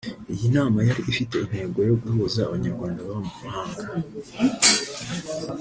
Iyi nama yari ifite intego yo guhuza Abanyarwanda baba mu mahanga